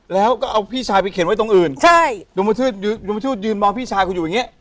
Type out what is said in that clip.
แล้วก็เอาพี่ชายไปเขียนไว้ตรงอื่นใช่ดวงประทืดยืนมองพี่ชายคุณอยู่อย่างเงี้